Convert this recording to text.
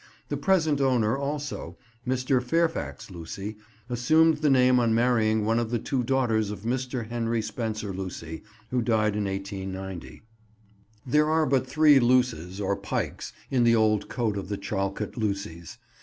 The present owner also, Mr. Fairfax Lucy, assumed the name on marrying one of the two daughters of Mr. Henry Spenser Lucy, who died in 1890. [Picture: The "Tumble Down Stile," Charlecote] There are but three luces, or pikes, in the old coat of the Charlecote Lucys.